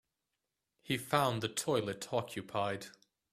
He found the toilet occupied.